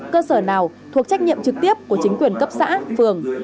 cơ sở nào thuộc trách nhiệm trực tiếp của chính quyền cấp xã phường